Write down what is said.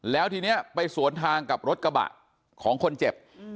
แล้วทีนี้ไปสวนทางกับรถกระบะของคนเจ็บ